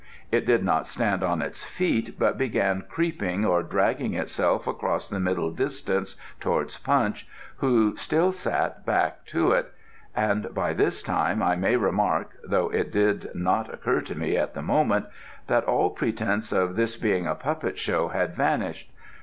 It did not stand on its feet, but began creeping or dragging itself across the middle distance towards Punch, who still sat back to it; and by this time, I may remark (though it did not occur to me at the moment) that all pretence of this being a puppet show had vanished.